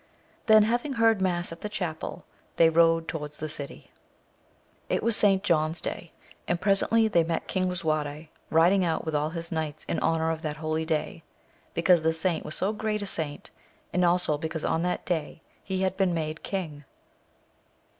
Then having heard mass at the chapel, they rode towards the city. It was St. John's day, and presently they met King Lisuarte riding out with all his knights in honour of that holy day, because the saint was so great a saint, and also because on that day he had been made king.